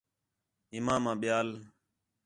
امام آہے ٻِیال